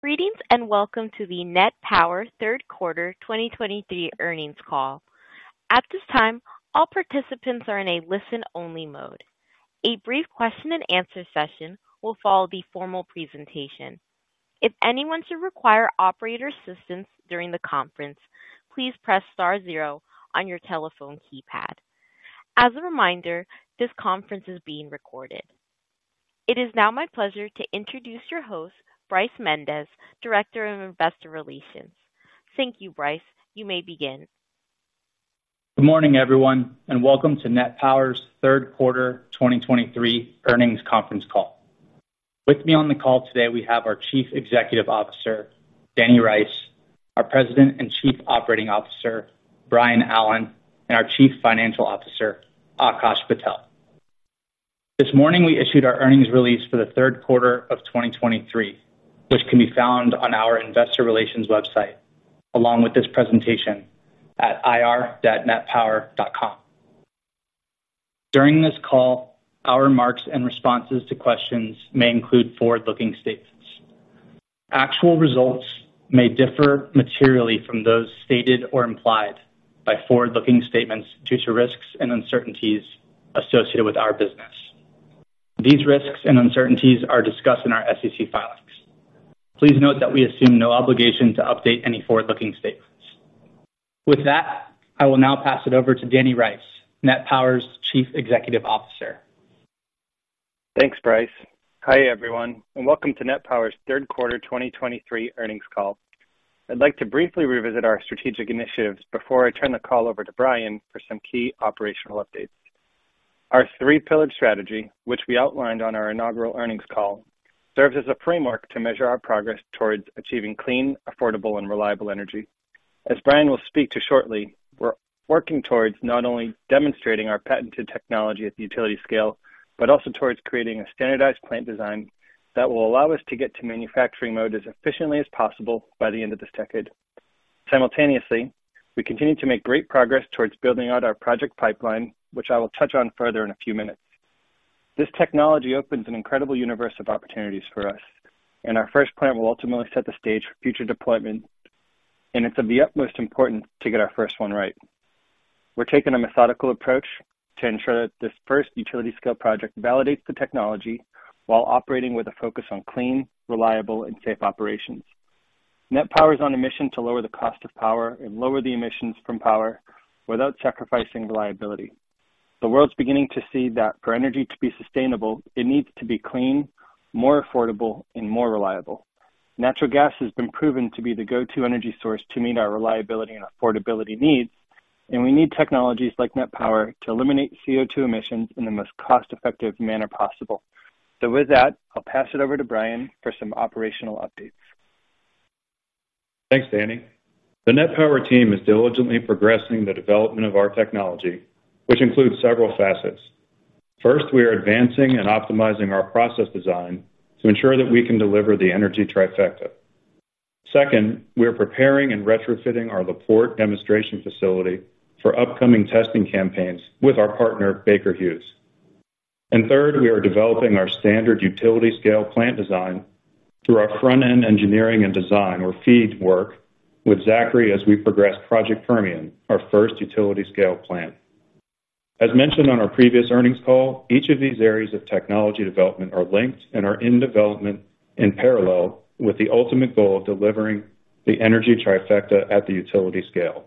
Greetings, and welcome to the Net Power third quarter 2023 earnings call. At this time, all participants are in a listen-only mode. A brief question and answer session will follow the formal presentation. If anyone should require operator assistance during the conference, please press star zero on your telephone keypad. As a reminder, this conference is being recorded. It is now my pleasure to introduce your host, Bryce Mendes, Director of Investor Relations. Thank you, Bryce. You may begin. Good morning, everyone, and welcome to Net Power's third quarter 2023 earnings conference call. With me on the call today, we have our Chief Executive Officer, Danny Rice; our President and Chief Operating Officer, Brian Allen; and our Chief Financial Officer, Akash Patel. This morning, we issued our earnings release for the third quarter of 2023, which can be found on our investor relations website, along with this presentation at ir.netpower.com. During this call, our remarks and responses to questions may include forward-looking statements. Actual results may differ materially from those stated or implied by forward-looking statements due to risks and uncertainties associated with our business. These risks and uncertainties are discussed in our SEC filings. Please note that we assume no obligation to update any forward-looking statements. With that, I will now pass it over to Danny Rice, Net Power's Chief Executive Officer. Thanks, Bryce. Hi, everyone, and welcome to Net Power's third quarter 2023 earnings call. I'd like to briefly revisit our strategic initiatives before I turn the call over to Brian for some key operational updates. Our three-pillared strategy, which we outlined on our inaugural earnings call, serves as a framework to measure our progress towards achieving clean, affordable, and reliable energy. As Brian will speak to shortly, we're working towards not only demonstrating our patented technology at the utility scale, but also towards creating a standardized plant design that will allow us to get to manufacturing mode as efficiently as possible by the end of this decade. Simultaneously, we continue to make great progress towards building out our project pipeline, which I will touch on further in a few minutes. This technology opens an incredible universe of opportunities for us, and our first plant will ultimately set the stage for future deployment, and it's of the utmost importance to get our first one right. We're taking a methodical approach to ensure that this first utility scale project validates the technology while operating with a focus on clean, reliable, and safe operations. Net Power is on a mission to lower the cost of power and lower the emissions from power without sacrificing reliability. The world's beginning to see that for energy to be sustainable, it needs to be clean, more affordable, and more reliable. Natural gas has been proven to be the go-to energy source to meet our reliability and affordability needs, and we need technologies like Net Power to eliminate CO2 emissions in the most cost-effective manner possible. With that, I'll pass it over to Brian for some operational updates. Thanks, Danny. The Net Power team is diligently progressing the development of our technology, which includes several facets. First, we are advancing and optimizing our process design to ensure that we can deliver the Energy Trifecta. Second, we are preparing and retrofitting our La Porte demonstration facility for upcoming testing campaigns with our partner, Baker Hughes. And third, we are developing our standard utility scale plant design through our front-end engineering and design, or FEED work with Zachry as we progress Project Permian, our first utility scale plant. As mentioned on our previous earnings call, each of these areas of technology development are linked and are in development in parallel with the ultimate goal of delivering the Energy Trifecta at the utility scale.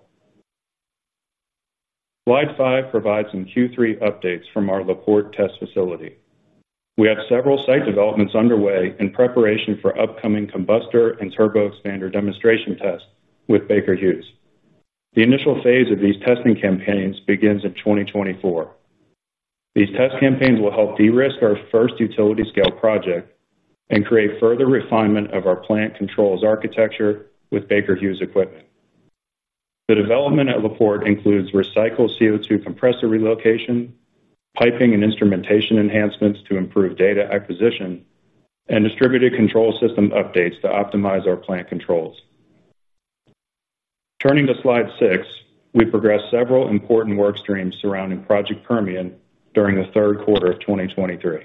Slide five provides some Q3 updates from our La Porte test facility. We have several site developments underway in preparation for upcoming combustor and turboexpander demonstration tests with Baker Hughes. The initial phase of these testing campaigns begins in 2024. These test campaigns will help de-risk our first utility scale project and create further refinement of our plant controls architecture with Baker Hughes equipment. The development at La Porte includes recycled CO2 compressor relocation, piping and instrumentation enhancements to improve data acquisition, and distributed control system updates to optimize our plant controls. Turning to slide six, we progressed several important work streams surrounding Project Permian during the third quarter of 2023.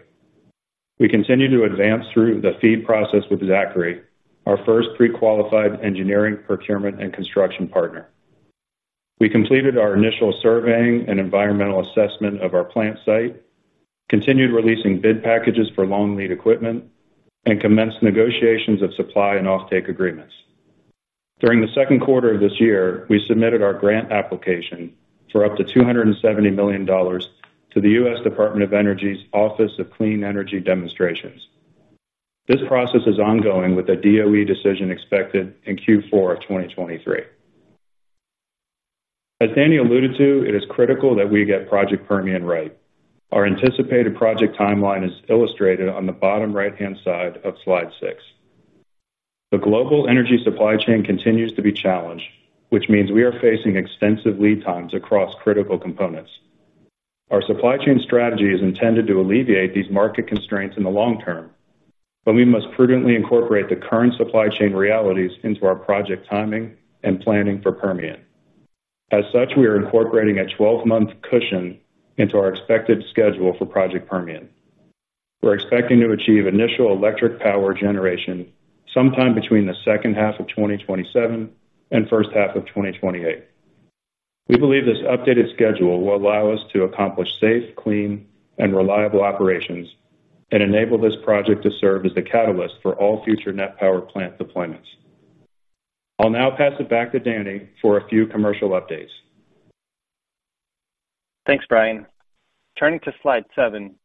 We continue to advance through the FEED process with Zachry, our first pre-qualified engineering, procurement, and construction partner. We completed our initial surveying and environmental assessment of our plant site, continued releasing bid packages for long lead equipment, and commenced negotiations of supply and offtake agreements. During the second quarter of this year, we submitted our grant application for up to $270 million to the U.S. Department of Energy's Office of Clean Energy Demonstrations. This process is ongoing, with a DOE decision expected in Q4 of 2023. As Danny alluded to, it is critical that we get Project Permian right. Our anticipated project timeline is illustrated on the bottom right-hand side of slide six. The global energy supply chain continues to be challenged, which means we are facing extensive lead times across critical components. Our supply chain strategy is intended to alleviate these market constraints in the long term, but we must prudently incorporate the current supply chain realities into our project timing and planning for Permian. As such, we are incorporating a 12-month cushion into our expected schedule for Project Permian. We're expecting to achieve initial electric power generation sometime between the second half of 2027 and first half of 2028. We believe this updated schedule will allow us to accomplish safe, clean, and reliable operations and enable this project to serve as the catalyst for all future Net Power plant deployments. I'll now pass it back to Danny for a few commercial updates. Thanks, Brian. Turning to slide seven.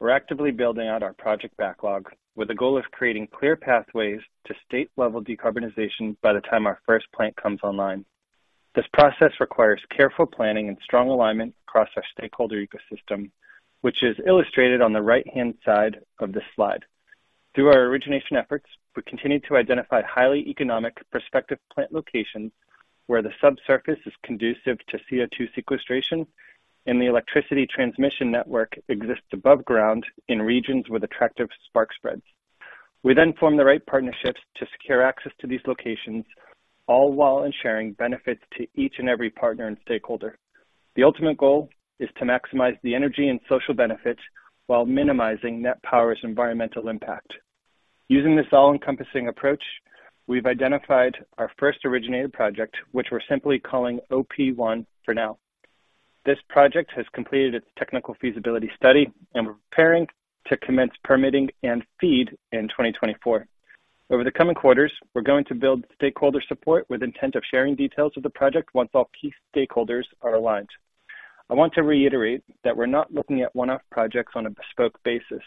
We're actively building out our project backlog with the goal of creating clear pathways to state-level decarbonization by the time our first plant comes online. This process requires careful planning and strong alignment across our stakeholder ecosystem, which is illustrated on the right-hand side of this slide. Through our origination efforts, we continue to identify highly economic prospective plant locations where the subsurface is conducive to CO2 sequestration and the electricity transmission network exists above ground in regions with attractive spark spreads. We then form the right partnerships to secure access to these locations, all while ensuring benefits to each and every partner and stakeholder. The ultimate goal is to maximize the energy and social benefits while minimizing Net Power's environmental impact. Using this all-encompassing approach, we've identified our first originated project, which we're simply calling OP1 for now. This project has completed its technical feasibility study and we're preparing to commence permitting and FEED in 2024. Over the coming quarters, we're going to build stakeholder support with intent of sharing details of the project once all key stakeholders are aligned. I want to reiterate that we're not looking at one-off projects on a bespoke basis,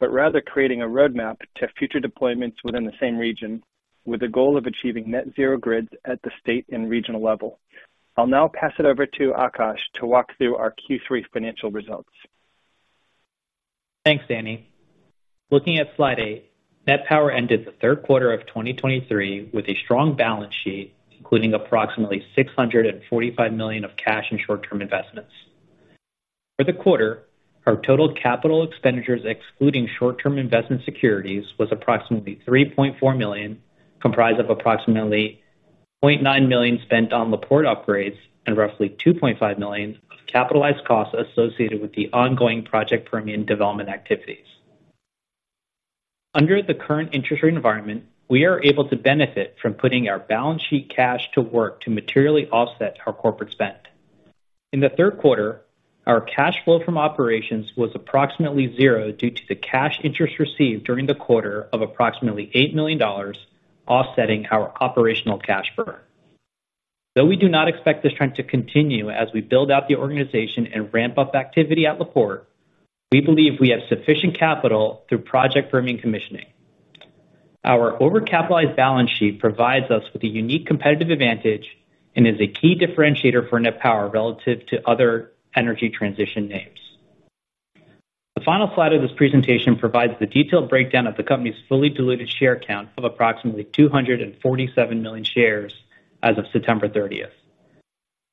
but rather creating a roadmap to future deployments within the same region with the goal of achieving net zero grids at the state and regional level. I'll now pass it over to Akash to walk through our Q3 financial results. Thanks, Danny. Looking at slide eight, Net Power ended the third quarter of 2023 with a strong balance sheet, including approximately $645 million of cash and short-term investments. For the quarter, our total capital expenditures, excluding short-term investment securities, was approximately $3.4 million, comprised of approximately $0.9 million spent on La Porte upgrades and roughly $2.5 million of capitalized costs associated with the ongoing Project Permian development activities. Under the current interest rate environment, we are able to benefit from putting our balance sheet cash to work to materially offset our corporate spend. In the third quarter, our cash flow from operations was approximately 0 due to the cash interest received during the quarter of approximately $8 million, offsetting our operational cash burn. Though we do not expect this trend to continue as we build out the organization and ramp up activity at La Porte, we believe we have sufficient capital through Project Permian commissioning. Our over-capitalized balance sheet provides us with a unique competitive advantage and is a key differentiator for Net Power relative to other energy transition names. The final slide of this presentation provides the detailed breakdown of the company's fully diluted share count of approximately 247 million shares as of September 30th.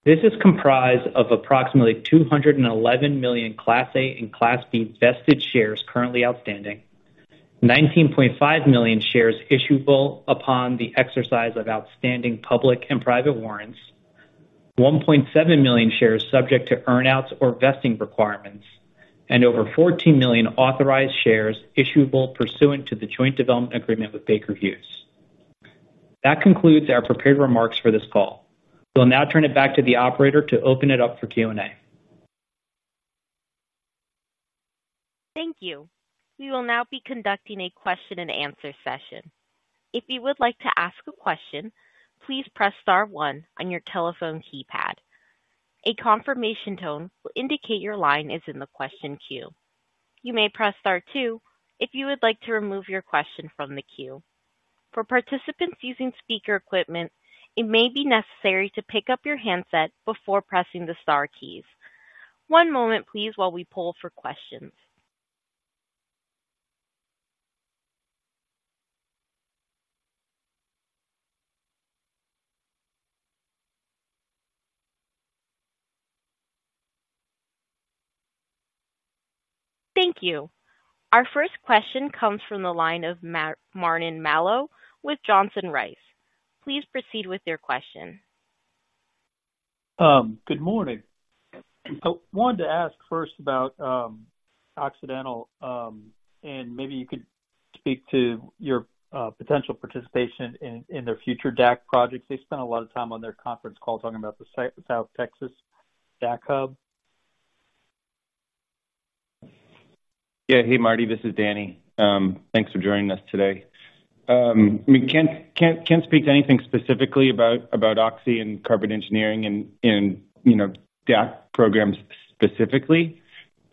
This is comprised of approximately 211 million Class A and Class B vested shares currently outstanding, 19.5 million shares issuable upon the exercise of outstanding public and private warrants, 1.7 million shares subject to earnouts or vesting requirements, and over 14 million authorized shares issuable pursuant to the joint development agreement with Baker Hughes. That concludes our prepared remarks for this call. We'll now turn it back to the operator to open it up for Q&A. Thank you. We will now be conducting a question and answer session. If you would like to ask a question, please press star one on your telephone keypad. A confirmation tone will indicate your line is in the question queue. You may press star two if you would like to remove your question from the queue. For participants using speaker equipment, it may be necessary to pick up your handset before pressing the star keys. One moment, please, while we poll for questions. Thank you. Our first question comes from the line of Martin Malloy with Johnson Rice. Please proceed with your question. Good morning. I wanted to ask first about Occidental, and maybe you could speak to your potential participation in their future DAC projects? They spent a lot of time on their conference call talking about the South Texas DAC Hub. Yeah. Hey, Marty, this is Danny. Thanks for joining us today. We can't speak to anything specifically about Oxy and Carbon Engineering and, you know, DAC programs specifically.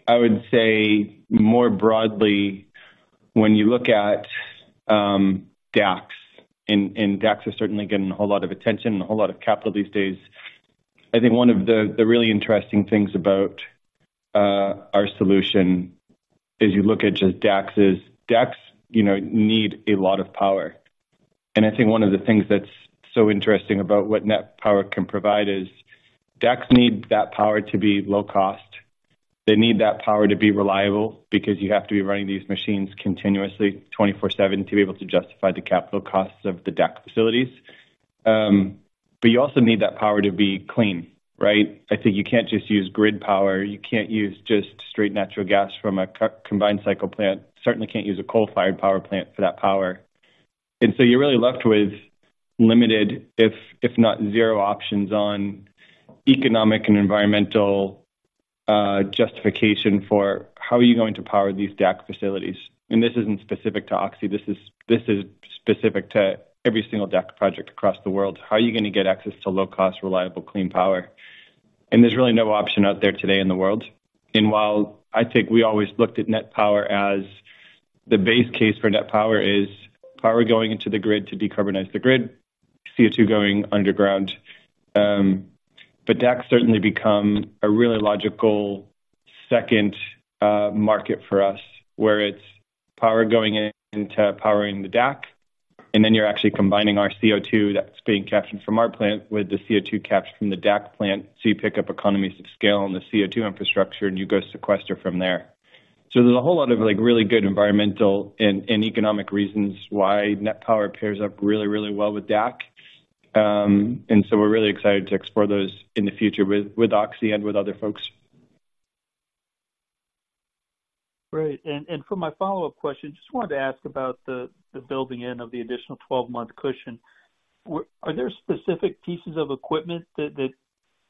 I would say more broadly, when you look at DACs, and DACs are certainly getting a whole lot of attention, a whole lot of capital these days. I think one of the really interesting things about our solution is you look at just DACs—DACs, you know, need a lot of power. And I think one of the things that's so interesting about what Net Power can provide is DACs need that power to be low cost. They need that power to be reliable because you have to be running these machines continuously 24/7 to be able to justify the capital costs of the DAC facilities. But you also need that power to be clean, right? I think you can't just use grid power. You can't use just straight natural gas from a combined cycle plant. Certainly can't use a coal-fired power plant for that power. And so you're really left with limited, if not zero options, on economic and environmental justification for how are you going to power these DAC facilities. And this isn't specific to Oxy. This is specific to every single DAC project across the world. How are you going to get access to low-cost, reliable, clean power? And there's really no option out there today in the world. And while I think we always looked at Net Power as the base case for Net Power is power going into the grid to decarbonize the grid, CO2 going underground, but DAC certainly become a really logical second market for us, where it's power going into powering the DAC, and then you're actually combining our CO2 that's being captured from our plant with the CO2 captured from the DAC plant. So you pick up economies of scale on the CO2 infrastructure, and you go sequester from there. So there's a whole lot of, like, really good environmental and economic reasons why Net Power pairs up really, really well with DAC. And so we're really excited to explore those in the future with Oxy and with other folks. Great. And for my follow-up question, just wanted to ask about the building in of the additional 12-month cushion. Are there specific pieces of equipment that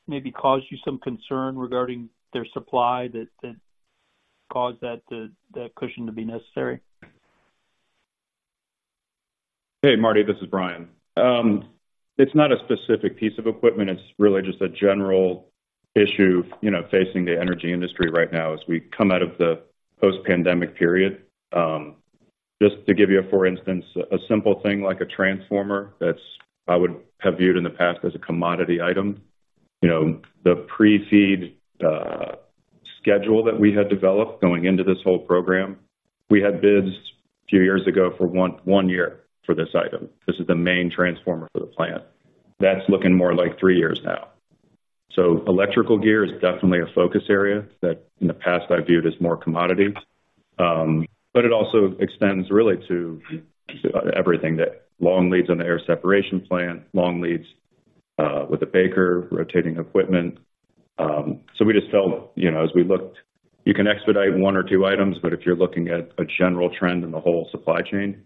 maybe caused you some concern regarding their supply, that caused that cushion to be necessary? Hey, Marty, this is Brian. It's not a specific piece of equipment. It's really just a general issue, you know, facing the energy industry right now as we come out of the post-pandemic period. Just to give you, for instance, a simple thing like a transformer, that's, I would have viewed in the past as a commodity item. You know, the pre-FEED schedule that we had developed going into this whole program, we had bids a few years ago for one year for this item. This is the main transformer for the plant. That's looking more like three years now. So electrical gear is definitely a focus area that in the past I viewed as more commodity. But it also extends really to everything that long leads on the air separation plant, long leads with Baker, rotating equipment. We just felt, you know, as we looked, you can expedite one or two items, but if you're looking at a general trend in the whole supply chain,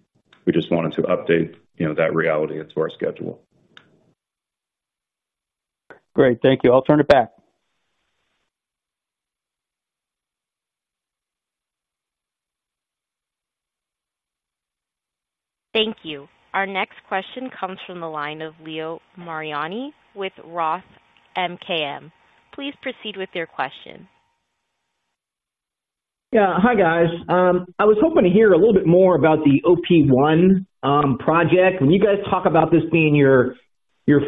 we just wanted to update, you know, that reality into our schedule. Great. Thank you. I'll turn it back. Thank you. Our next question comes from the line of Leo Mariani with Roth MKM. Please proceed with your question. Yeah. Hi, guys. I was hoping to hear a little bit more about the OP1 project. When you guys talk about this being your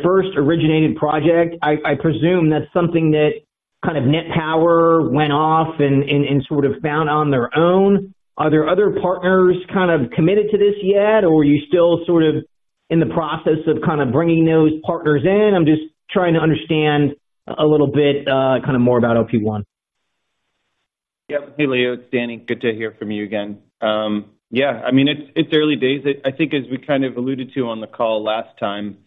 first originated project, I presume that's something that kind of Net Power went off and sort of found on their own. Are there other partners kind of committed to this yet, or are you still sort of in the process of kind of bringing those partners in? I'm just trying to understand a little bit kind of more about OP1. Yep. Hey, Leo, it's Danny. Good to hear from you again. Yeah, I mean, it's early days. I think as we kind of alluded to on the call last time,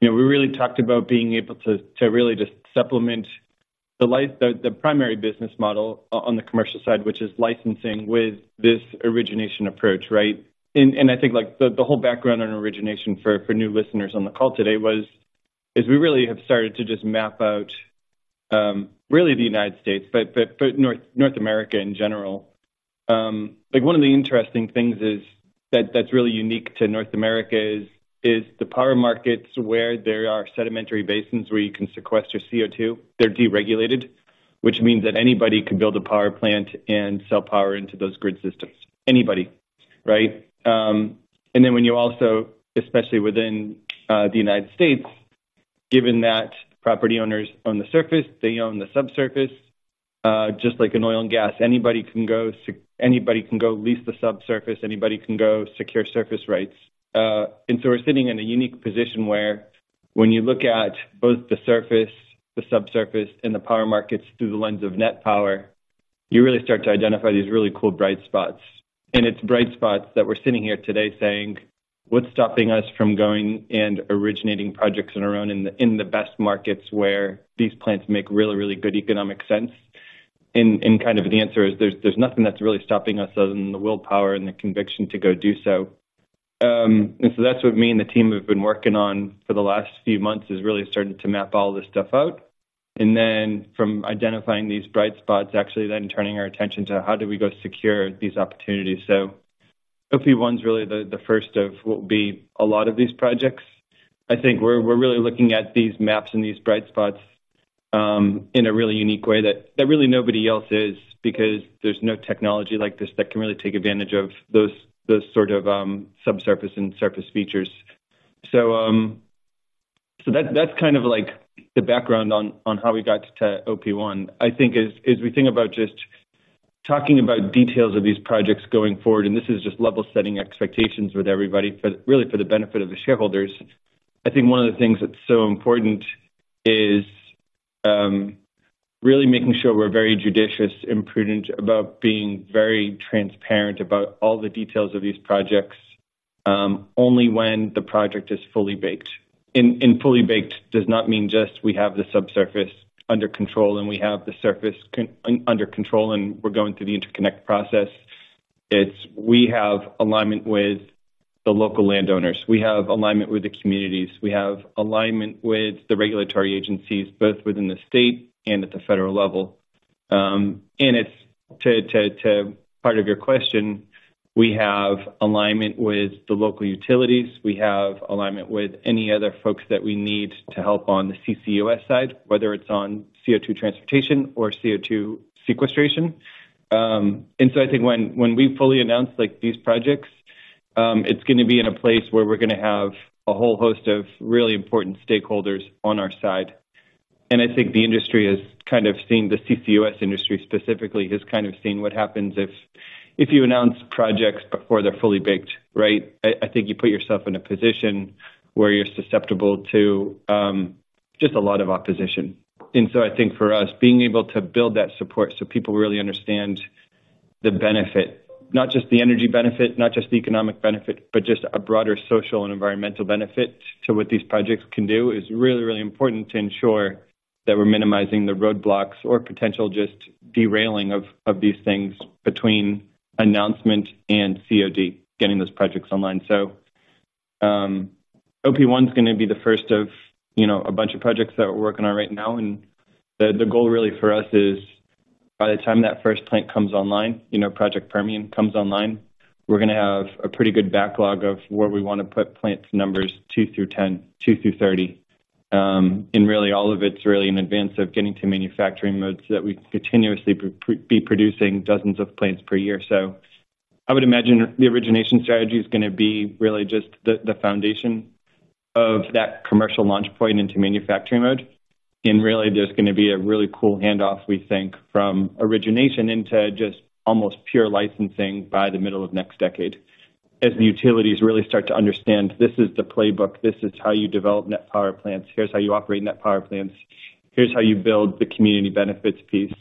you know, we really talked about being able to really just supplement the primary business model on the commercial side, which is licensing, with this origination approach, right? And I think, like, the whole background on origination for new listeners on the call today is we really have started to just map out really the United States, but North America in general. Like, one of the interesting things is that that's really unique to North America is the power markets where there are sedimentary basins where you can sequester CO2, they're deregulated, which means that anybody can build a power plant and sell power into those grid systems. Anybody, right? And then when you also, especially within the United States, given that property owners own the surface, they own the subsurface, just like in oil and gas, anybody can go lease the subsurface, anybody can go secure surface rights. And so we're sitting in a unique position where when you look at both the surface, the subsurface, and the power markets through the lens of Net Power, you really start to identify these really cool, bright spots. It's bright spots that we're sitting here today saying, "What's stopping us from going and originating projects on our own in the best markets where these plants make really, really good economic sense?" Kind of the answer is, there's nothing that's really stopping us other than the willpower and the conviction to go do so. So that's what me and the team have been working on for the last few months, is really starting to map all this stuff out. And then from identifying these bright spots, actually then turning our attention to how do we go secure these opportunities. So OP1 is really the first of what will be a lot of these projects. I think we're really looking at these maps and these bright spots in a really unique way that really nobody else is, because there's no technology like this that can really take advantage of those sort of subsurface and surface features. So that that's kind of like the background on how we got to OP1. I think as we think about talking about details of these projects going forward, and this is just level setting expectations with everybody, but really for the benefit of the shareholders. I think one of the things that's so important is really making sure we're very judicious and prudent about being very transparent about all the details of these projects only when the project is fully baked. Fully baked does not mean just we have the subsurface under control, and we have the surface under control, and we're going through the interconnect process. It's we have alignment with the local landowners, we have alignment with the communities, we have alignment with the regulatory agencies, both within the state and at the federal level. And it's too part of your question, we have alignment with the local utilities. We have alignment with any other folks that we need to help on the CCUS side, whether it's on CO2 transportation or CO2 sequestration. And so I think when we fully announce, like, these projects, it's gonna be in a place where we're gonna have a whole host of really important stakeholders on our side. I think the CCUS industry specifically has kind of seen what happens if you announce projects before they're fully baked, right? I think you put yourself in a position where you're susceptible to just a lot of opposition. So I think for us, being able to build that support so people really understand the benefit, not just the energy benefit, not just the economic benefit, but just a broader social and environmental benefit to what these projects can do, is really, really important to ensure that we're minimizing the roadblocks or potential just derailing of these things between announcement and COD, getting those projects online. So, OP1 is gonna be the first of, you know, a bunch of projects that we're working on right now, and the goal really for us is, by the time that first plant comes online, you know, Project Permian comes online, we're gonna have a pretty good backlog of where we wanna put plant numbers two through 10, two through 30. And really, all of it's really in advance of getting to manufacturing mode so that we continuously be producing dozens of plants per year. So I would imagine the origination strategy is gonna be really just the foundation of that commercial launch point into manufacturing mode. And really, there's gonna be a really cool handoff, we think, from origination into just almost pure licensing by the middle of next decade. As utilities really start to understand this is the playbook, this is how you develop Net Power plants, here's how you operate Net Power plants, here's how you build the community benefits piece.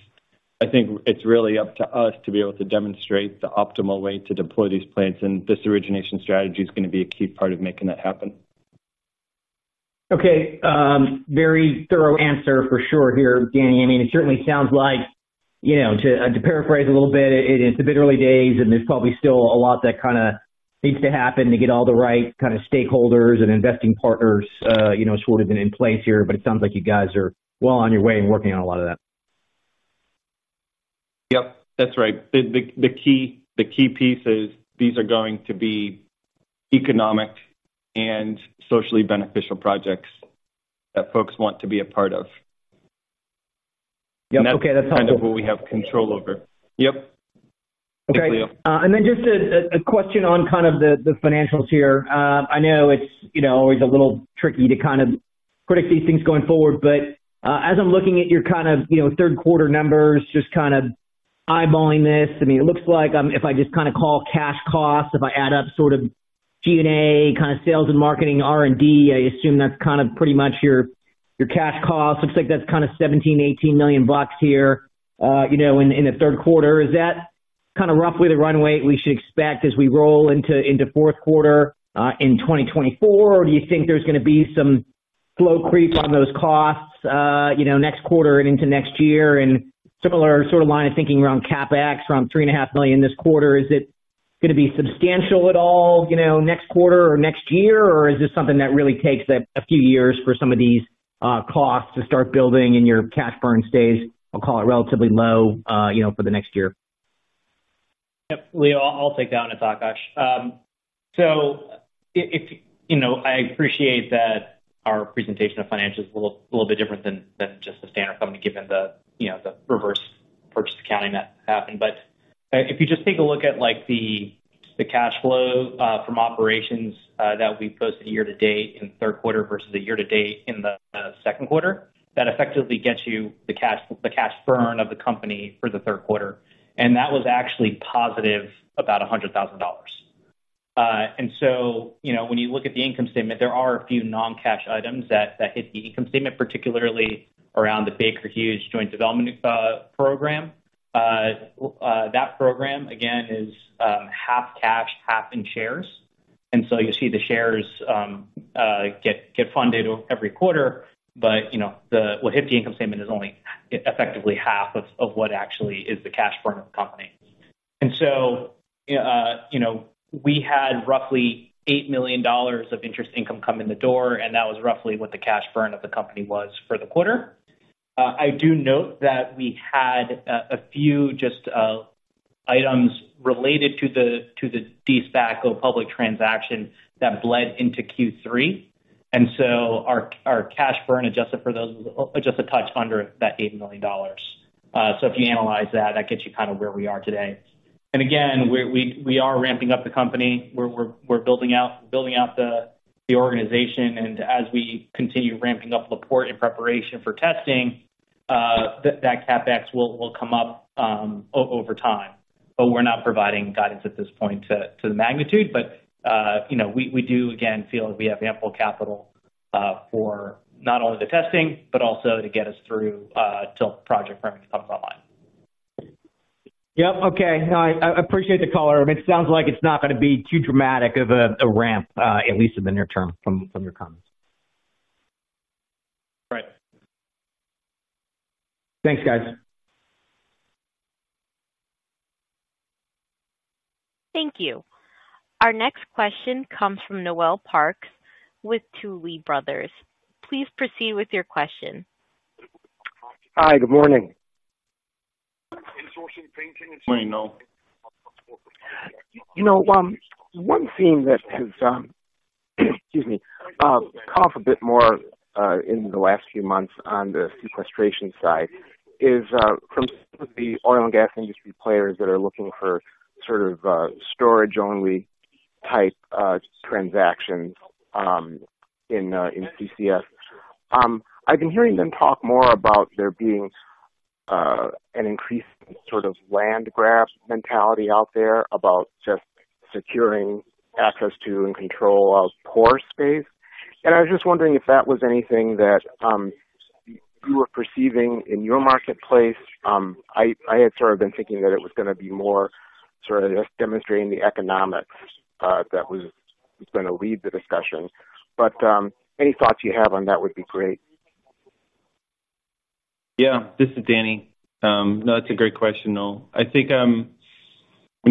I think it's really up to us to be able to demonstrate the optimal way to deploy these plants, and this origination strategy is gonna be a key part of making that happen. Okay, very thorough answer for sure here, Danny. I mean, it certainly sounds like, you know, to paraphrase a little bit, it, it's a bit early days, and there's probably still a lot that kinda needs to happen to get all the right kind of stakeholders and investing partners, you know, sort of in place here, but it sounds like you guys are well on your way and working on a lot of that. Yep, that's right. The key piece is these are going to be economic and socially beneficial projects that folks want to be a part of. Yep. Okay. That's kind of what we have control over. Yep. Okay. Thanks, Leo. And then just a question on kind of the financials here. I know it's, you know, always a little tricky to kind of predict these things going forward, but as I'm looking at your kind of, you know, third quarter numbers, just kind of eyeballing this, I mean, it looks like if I just kinda call cash costs, if I add up sort of G&A, kind of sales and marketing, R&D, I assume that's kind of pretty much your cash costs. Looks like that's kind of $17 million-$18 million here, you know, in the third quarter. Is that kind of roughly the runway we should expect as we roll into fourth quarter in 2024? Or do you think there's gonna be some slow creep on those costs, you know, next quarter and into next year? Similar sort of line of thinking around CapEx, around $3.5 million this quarter, is it gonna be substantial at all, you know, next quarter or next year? Or is this something that really takes a few years for some of these costs to start building in, your cash burn stays, I'll call it, relatively low, you know, for the next year? Yep, Leo, I'll take that one, it's Akash. So if, you know, I appreciate that our presentation of financials is a little, little bit different than, than just the standard company, given the, you know, the reverse purchase accounting that happened. But if you just take a look at, like, the, the cash flow from operations that we posted year to date in the third quarter versus the year to date in the second quarter, that effectively gets you the cash, the cash burn of the company for the third quarter, and that was actually positive, about $100,000. And so, you know, when you look at the income statement, there are a few non-cash items that, that hit the income statement, particularly around the Baker Hughes joint development program. That program, again, is half cash, half in shares, and so you'll see the shares get funded every quarter. But, you know, what hit the income statement is only effectively half of what actually is the cash burn of the company. And so, you know, we had roughly $8 million of interest income come in the door, and that was roughly what the cash burn of the company was for the quarter. I do note that we had a few items related to the de-SPAC go public transaction that bled into Q3, and so our cash burn, adjusted for those, was just a touch under that $8 million. So if you analyze that, that gets you kind of where we are today. Again, we are ramping up the company. We're building out the organization. And as we continue ramping up La Porte in preparation for testing, that CapEx will come up over time. But we're not providing guidance at this point to the magnitude. But you know, we do again feel that we have ample capital for not only the testing but also to get us through till Project Permian comes online. Yep. Okay. I appreciate the color. I mean, it sounds like it's not gonna be too dramatic of a ramp, at least in the near term, from your comments. Right. Thanks, guys. Thank you. Our next question comes from Noel Parks with Tuohy Brothers. Please proceed with your question. Hi, good morning. You know, one theme that has, excuse me, caught a bit more in the last few months on the sequestration side is from the oil and gas industry players that are looking for sort of storage-only type transactions in CCS. I've been hearing them talk more about there being an increased sort of land grab mentality out there about just securing access to and control of pore space. And I was just wondering if that was anything that you were perceiving in your marketplace. I had sort of been thinking that it was gonna be more sort of just demonstrating the economics that was gonna lead the discussion. But any thoughts you have on that would be great. Yeah, this is Danny. No, that's a great question, Noel. I think, when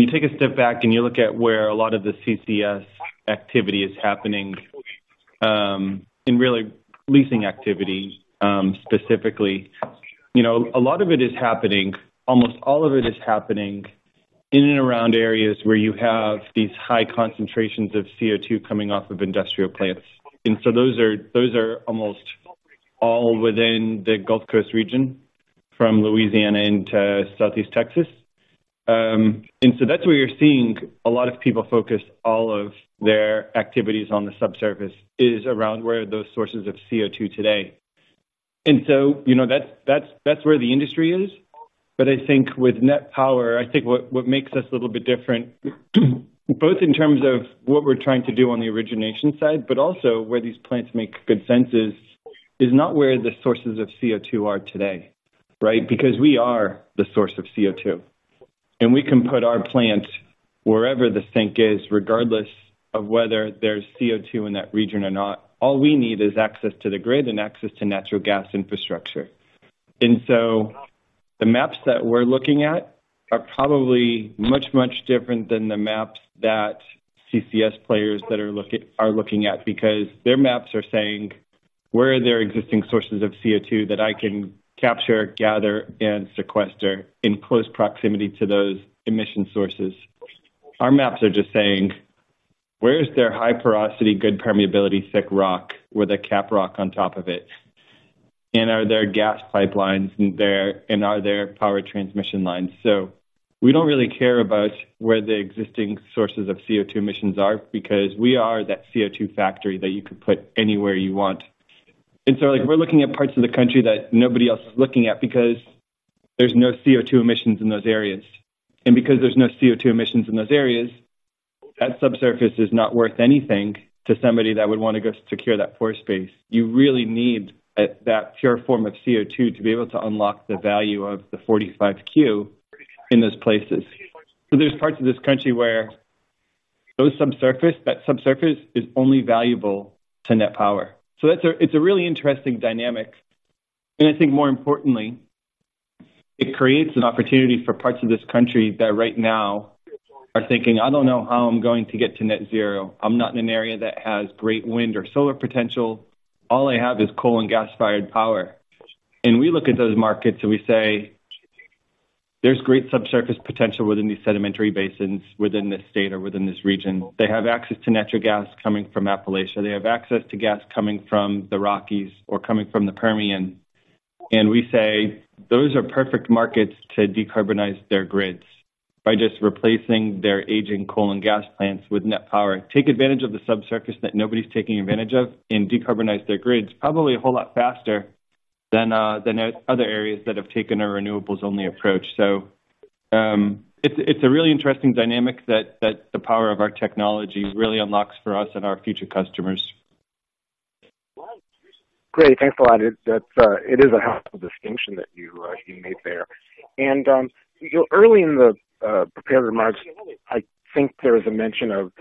you take a step back and you look at where a lot of the CCS activity is happening, in really leasing activity, specifically, you know, a lot of it is happening, almost all of it is happening in and around areas where you have these high concentrations of CO2 coming off of industrial plants. And so those are, those are almost all within the Gulf Coast region, from Louisiana into Southeast Texas. And so that's where you're seeing a lot of people focus all of their activities on the subsurface, is around where those sources of CO2 today. And so, you know, that's, that's, that's where the industry is. But I think with Net Power, I think what makes us a little bit different, both in terms of what we're trying to do on the origination side, but also where these plants make good sense, is not where the sources of CO2 are today, right? Because we are the source of CO2, and we can put our plant wherever the sink is, regardless of whether there's CO2 in that region or not. All we need is access to the grid and access to natural gas infrastructure. And so the maps that we're looking at are probably much, much different than the maps that CCS players that are looking at, because their maps are saying, where are there existing sources of CO2 that I can capture, gather, and sequester in close proximity to those emission sources? Our maps are just saying, where is there high porosity, good permeability, thick rock with a caprock on top of it, and are there gas pipelines there, and are there power transmission lines? So we don't really care about where the existing sources of CO2 emissions are, because we are that CO2 factory that you could put anywhere you want. And so, like, we're looking at parts of the country that nobody else is looking at because there's no CO2 emissions in those areas. And because there's no CO2 emissions in those areas, that subsurface is not worth anything to somebody that would want to go secure that pore space. You really need that pure form of CO2 to be able to unlock the value of the 45Q in those places. There's parts of this country where those subsurface, that subsurface is only valuable to Net Power. That's a, it's a really interesting dynamic, and I think more importantly, it creates an opportunity for parts of this country that right now are thinking, "I don't know how I'm going to get to net zero. I'm not in an area that has great wind or solar potential. All I have is coal and gas-fired power." We look at those markets and we say, "There's great subsurface potential within these sedimentary basins, within this state, or within this region." They have access to natural gas coming from Appalachia. They have access to gas coming from the Rockies or coming from the Permian. We say those are perfect markets to decarbonize their grids by just replacing their aging coal and gas plants with Net Power. Take advantage of the subsurface that nobody's taking advantage of and decarbonize their grids probably a whole lot faster than other areas that have taken a renewables-only approach. So, it's a really interesting dynamic that the power of our technology really unlocks for us and our future customers. Great. Thanks a lot. That's, it is a helpful distinction that you, you made there. And, early in the prepared remarks, I think there was a mention of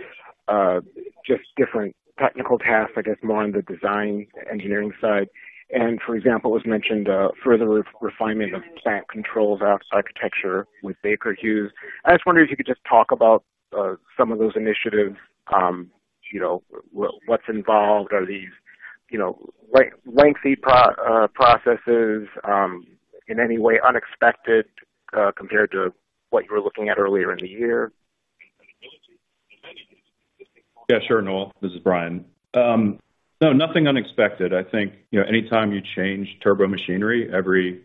just different technical tasks, I guess, more on the design engineering side. And, for example, was mentioned further refinement of plant controls architecture with Baker Hughes. I just wondered if you could just talk about some of those initiatives. You know, what's involved? Are these, you know, lengthy processes in any way unexpected compared to what you were looking at earlier in the year? Yeah, sure, Noel, this is Brian. No, nothing unexpected. I think, you know, anytime you change turbomachinery, every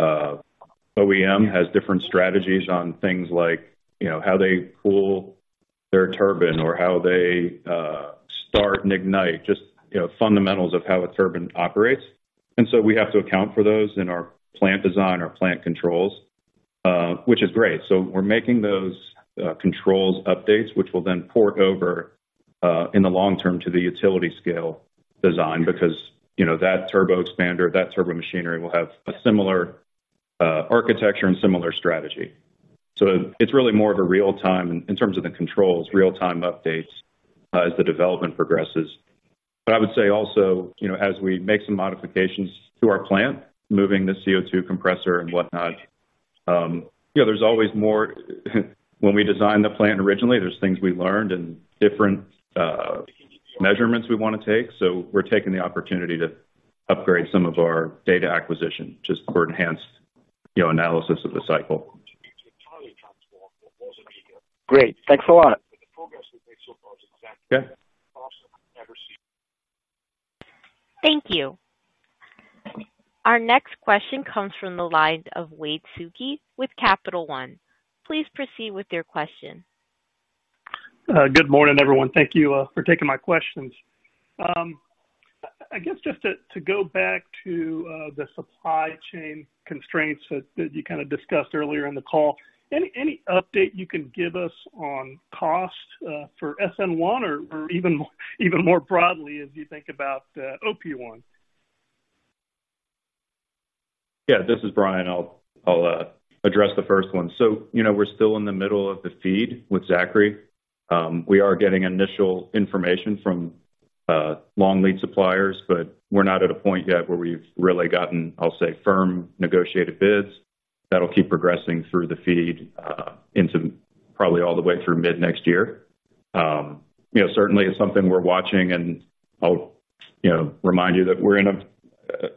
OEM has different strategies on things like, you know, how they cool their turbine or how they start and ignite just, you know, fundamentals of how a turbine operates. And so we have to account for those in our plant design or plant controls, which is great. So we're making those controls updates, which will then port over in the long term to the utility scale design, because, you know, that turboexpander, that turbomachinery will have a similar architecture and similar strategy. So it's really more of a real time in terms of the controls, real-time updates as the development progresses. But I would say also, you know, as we make some modifications to our plant, moving the CO2 compressor and whatnot, you know, there's always more—when we designed the plant originally, there's things we learned and different measurements we want to take. So we're taking the opportunity to upgrade some of our data acquisition just for enhanced, you know, analysis of the cycle. Great. Thanks a lot. Thank you. Our next question comes from the lines of Wade Suki with Capital One. Please proceed with your question. Good morning, everyone. Thank you for taking my questions. I guess just to go back to the supply chain constraints that you kind of discussed earlier in the call, any update you can give us on cost for SN1 or even more broadly as you think about OP1? Yeah, this is Brian. I'll address the first one. So, you know, we're still in the middle of the FEED with Zachry. We are getting initial information from long lead suppliers, but we're not at a point yet where we've really gotten, I'll say, firm negotiated bids. That'll keep progressing through the FEED into probably all the way through mid-next year. You know, certainly it's something we're watching, and I'll remind you that we're in a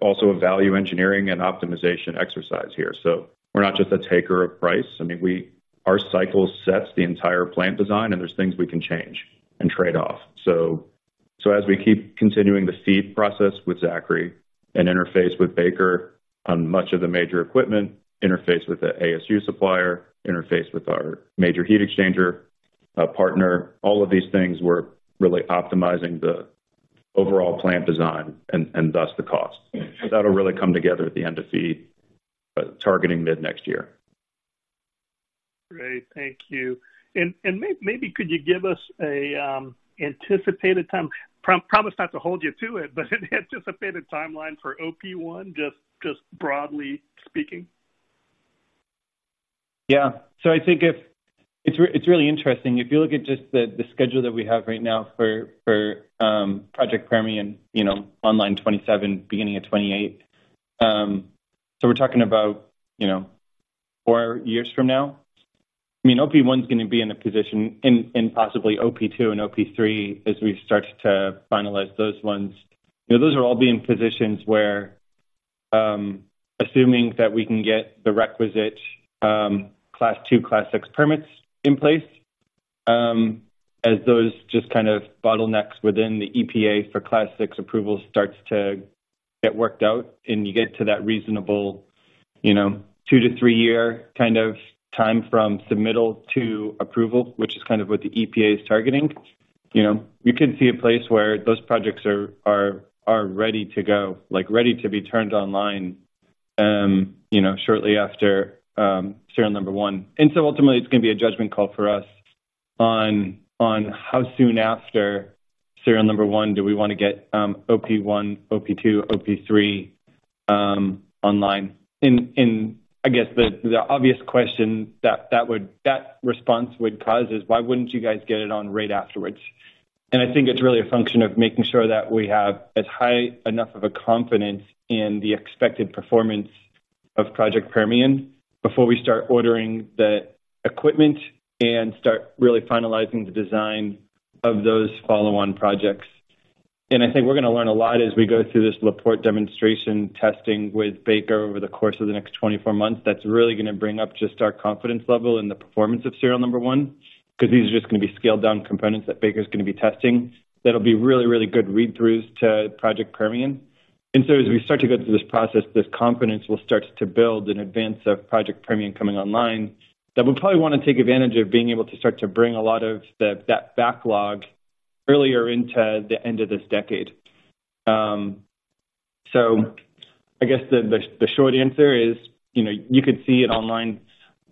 also a value engineering and optimization exercise here. So we're not just a taker of price. I mean, we - our cycle sets the entire plant design, and there's things we can change and trade-off. So as we keep continuing the FEED process with Zachry and interface with Baker on much of the major equipment, interface with the ASU supplier, interface with our major heat exchanger partner, all of these things, we're really optimizing the overall plant design and, and thus the cost. So that'll really come together at the end of FEED, targeting mid-next year. Great, thank you. And maybe could you give us a anticipated time? Promise not to hold you to it, but anticipated timeline for OP1, just broadly speaking. Yeah. So I think it's really interesting. If you look at just the schedule that we have right now for Project Permian, you know, online 2027, beginning of 2028. So we're talking about, you know, four years from now. I mean, OP1 is gonna be in a position, and possibly OP2 and OP3, as we start to finalize those ones. You know, those will all be in positions where, assuming that we can get the requisite, Class II, Class VI permits in place, as those just kind of bottlenecks within the EPA for Class VI approval starts to get worked out, and you get to that reasonable, you know, two to three year kind of time from submittal to approval, which is kind of what the EPA is targeting, you know, you could see a place where those projects are ready to go, like, ready to be turned online, you know, shortly after, serial number one. And so ultimately, it's gonna be a judgment call for us on how soon after serial number one do we want to get OP1, OP2, OP3, online. And I guess the obvious question that response would cause is: Why wouldn't you guys get it on right afterwards? And I think it's really a function of making sure that we have as high enough of a confidence in the expected performance of Project Permian before we start ordering the equipment and start really finalizing the design of those follow-on projects. And I think we're gonna learn a lot as we go through this La Porte demonstration testing with Baker over the course of the next 24 months. That's really gonna bring up just our confidence level in the performance of serial number one, because these are just gonna be scaled-down components that Baker's gonna be testing. That'll be really, really good read-throughs to Project Permian. And so as we start to go through this process, this confidence will start to build in advance of Project Permian coming online, that we'll probably want to take advantage of being able to start to bring a lot of that backlog earlier into the end of this decade. So I guess the short answer is, you know, you could see it online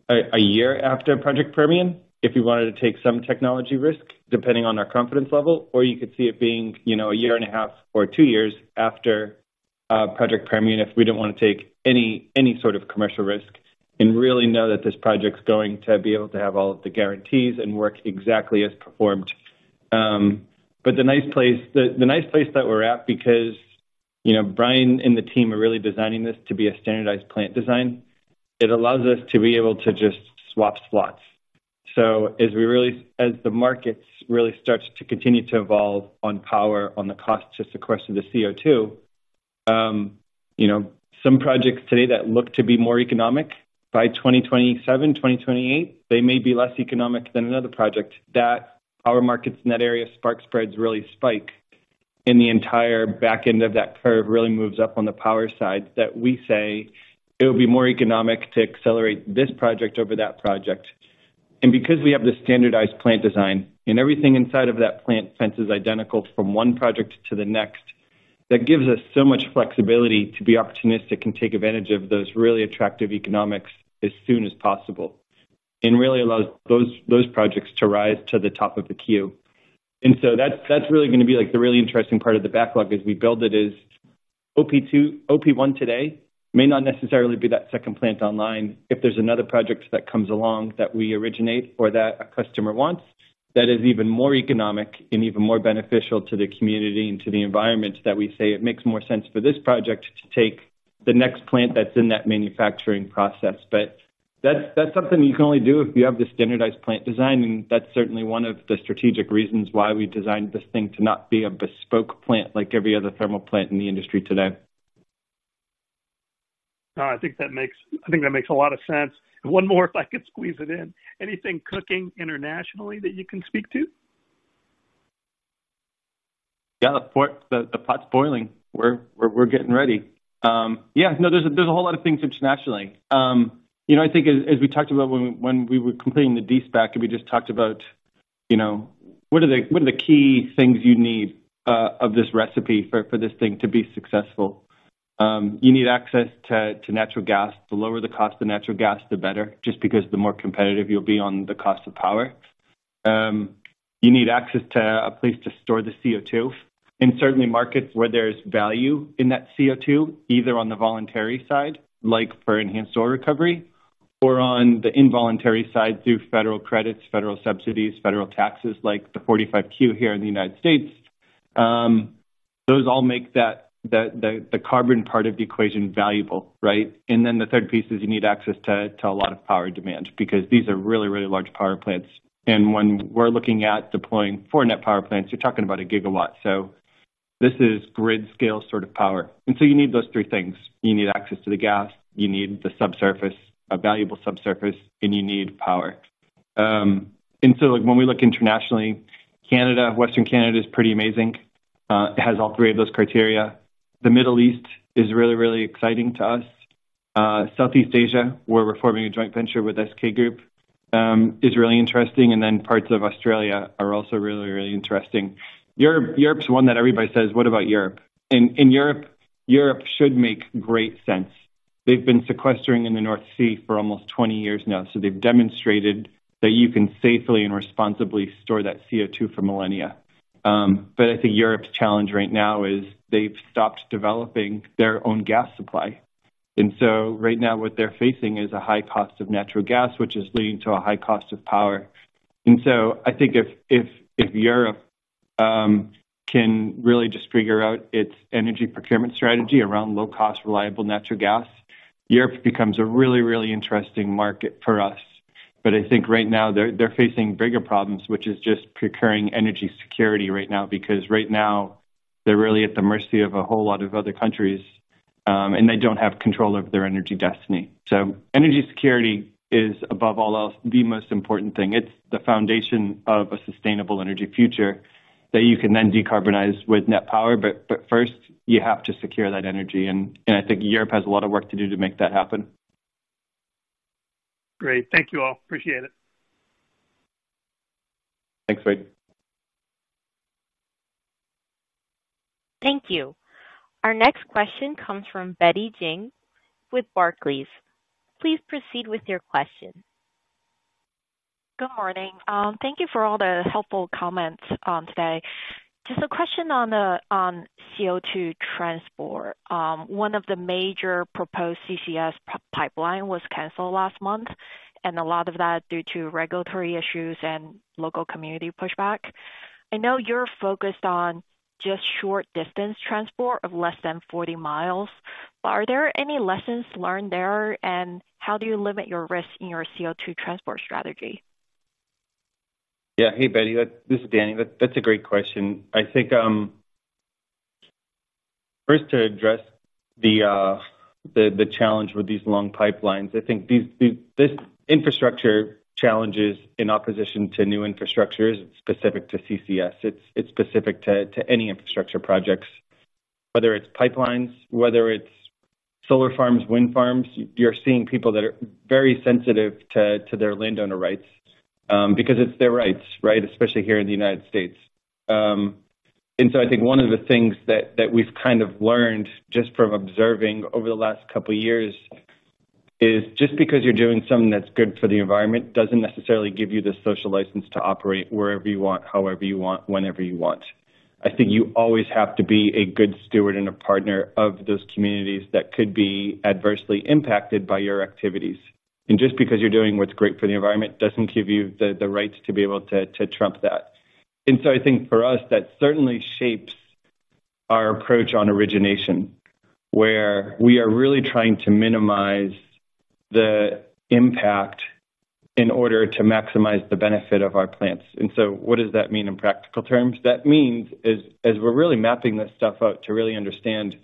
a year after Project Permian if you wanted to take some technology risk, depending on our confidence level, or you could see it being, you know, a year and a half or two years after Project Permian, if we didn't want to take any sort of commercial risk and really know that this project's going to be able to have all of the guarantees and work exactly as performed. But the nice place that we're at, because, you know, Brian and the team are really designing this to be a standardized plant design, it allows us to be able to just swap slots. So as the markets really starts to continue to evolve on power, on the cost, just the course of the CO2. You know, some projects today that look to be more economic by 2027, 2028, they may be less economic than another project, that power markets in that area, Spark Spreads really spike, and the entire back end of that curve really moves up on the power side, that we say it would be more economic to accelerate this project over that project. And because we have the standardized plant design, and everything inside of that plant fence is identical from one project to the next, that gives us so much flexibility to be opportunistic and take advantage of those really attractive economics as soon as possible, and really allows those, those projects to rise to the top of the queue. And so that's, that's really gonna be, like, the really interesting part of the backlog as we build it, is OP2-- OP1 today may not necessarily be that second plant online. If there's another project that comes along that we originate or that a customer wants, that is even more economic and even more beneficial to the community and to the environment, that we say it makes more sense for this project to take the next plant that's in that manufacturing process. But that's something you can only do if you have the standardized plant design, and that's certainly one of the strategic reasons why we designed this thing to not be a bespoke plant like every other thermal plant in the industry today. No, I think that makes a lot of sense. One more, if I could squeeze it in. Anything cooking internationally that you can speak to? Yeah, the pot's boiling. We're getting ready. Yeah, no, there's a whole lot of things internationally. You know, I think as we talked about when we were completing the de-SPAC, and we just talked about, you know, what are the key things you need of this recipe for this thing to be successful? You need access to natural gas. The lower the cost of natural gas, the better, just because the more competitive you'll be on the cost of power. You need access to a place to store the CO2, and certainly markets where there's value in that CO2, either on the voluntary side, like for enhanced oil recovery, or on the involuntary side, through federal credits, federal subsidies, federal taxes, like the 45Q here in the United States. Those all make that the carbon part of the equation valuable, right? And then the third piece is you need access to a lot of power demand, because these are really, really large power plants. And when we're looking at deploying four Net Power plants, you're talking about a gigawatt. So this is grid scale sort of power, and so you need those three things. You need access to the gas, you need the subsurface, a valuable subsurface, and you need power. And so when we look internationally, Canada, western Canada is pretty amazing. It has all three of those criteria. The Middle East is really, really exciting to us. Southeast Asia, where we're forming a joint venture with SK Group, is really interesting, and then parts of Australia are also really, really interesting. Europe, Europe's one that everybody says: What about Europe? And in Europe, Europe should make great sense. They've been sequestering in the North Sea for almost 20 years now, so they've demonstrated that you can safely and responsibly store that CO2 for millennia. But I think Europe's challenge right now is they've stopped developing their own gas supply. And so right now what they're facing is a high cost of natural gas, which is leading to a high cost of power. And so I think if Europe can really just figure out its energy procurement strategy around low cost, reliable natural gas, Europe becomes a really, really interesting market for us. But I think right now they're facing bigger problems, which is just procuring energy security right now, because right now they're really at the mercy of a whole lot of other countries, and they don't have control over their energy destiny. So energy security is, above all else, the most important thing. It's the foundation of a sustainable energy future that you can then decarbonize with Net Power. But first, you have to secure that energy, and I think Europe has a lot of work to do to make that happen. Great. Thank you all. Appreciate it. Thanks, Wade. Thank you. Our next question comes from Betty Jiang with Barclays. Please proceed with your question. Good morning. Thank you for all the helpful comments today. Just a question on the, on CO2 transport. One of the major proposed CCS pipeline was canceled last month, and a lot of that due to regulatory issues and local community pushback. I know you're focused on just short distance transport of less than 40 mi, but are there any lessons learned there, and how do you limit your risk in your CO2 transport strategy? Yeah. Hey, Betty, this is Danny. That's a great question. I think, first, to address the challenge with these long pipelines, I think this infrastructure challenges in opposition to new infrastructure is specific to CCS. It's specific to any infrastructure projects, whether it's pipelines, whether it's solar farms, wind farms. You're seeing people that are very sensitive to their landowner rights, because it's their rights, right? Especially here in the United States. And so I think one of the things that we've kind of learned just from observing over the last couple of years, is just because you're doing something that's good for the environment, doesn't necessarily give you the social license to operate wherever you want, however you want, whenever you want. I think you always have to be a good steward and a partner of those communities that could be adversely impacted by your activities. And just because you're doing what's great for the environment, doesn't give you the rights to be able to trump that. And so I think for us, that certainly shapes our approach on origination, where we are really trying to minimize the impact in order to maximize the benefit of our plants. And so what does that mean in practical terms? That means, as we're really mapping this stuff out to really understand